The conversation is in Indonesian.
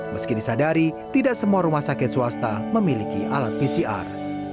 meski disadari tidak semua rumah sakit swasta memiliki alat pcr